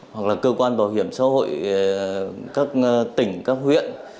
hoặc là cơ quan bảo hiểm xã hội các tỉnh các huyện